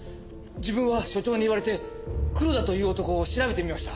自分は署長に言われて黒田という男を調べてみました。